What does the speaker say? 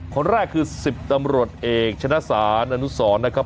คนแรกคือ๑๐ตำรวจเอกชนะศาลอนุสรนะครับ